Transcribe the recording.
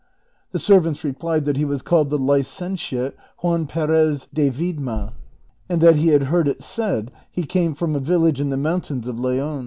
The servants replied that he was called the Licentiate Juan Perez de Viedma, and that he had heard it said he came from a village in the mountains of Leon.